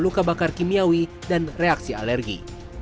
luka bakar kimiawi dan reaksi alergi